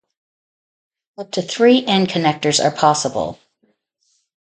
Up to three N connectors are possible.